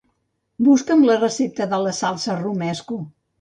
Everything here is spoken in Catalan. Busca'm la recepta de la salsa romesco.